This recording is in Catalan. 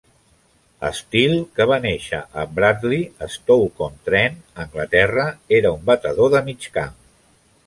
Steele, que va néixer a Bradeley, Stoke-on-Trent, Anglaterra, era un batedor de mig camp.